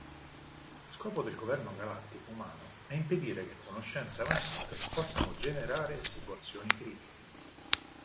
Scopo del governo galattico umano è impedire che conoscenze avanzate possano generare situazioni critiche.